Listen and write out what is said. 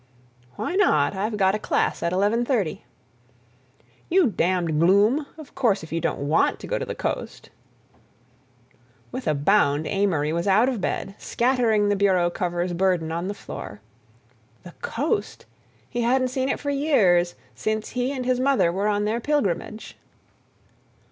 "Why not? I've got a class at eleven thirty." "You damned gloom! Of course, if you don't want to go to the coast—" With a bound Amory was out of bed, scattering the bureau cover's burden on the floor. The coast... he hadn't seen it for years, since he and his mother were on their pilgrimage.